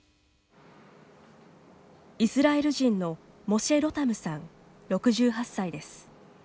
イスラエル人のモシェ・ロタムさん、６８歳です。